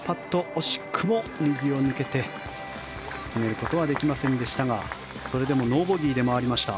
惜しくも右を抜けて決めることはできませんでしたがそれでもノーボギーで回りました。